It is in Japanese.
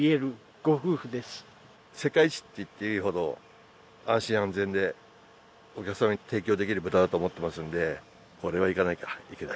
世界一って言っていいほど安心安全でお客さんに提供できる豚だと思っていますのでこれは行かなきゃいけない。